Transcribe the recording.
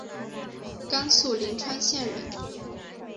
甘肃灵川县人。